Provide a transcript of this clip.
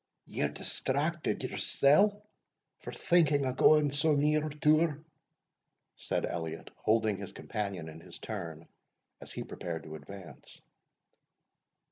"Ye're distracted yoursell, for thinking of going so near to her," said Elliot, holding his companion in his turn, as he prepared to advance.